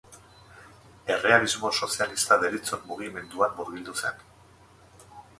Errealismo Sozialista deritzon mugimenduan murgildu zen.